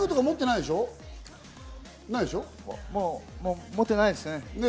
まぁ、持ってないですね。